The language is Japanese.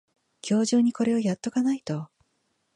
今日中にこれをやっとかないと